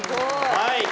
はい。